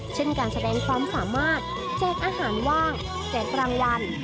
เช่นการแสดงความสามารถแจกอาหารว่างแจกรางวัล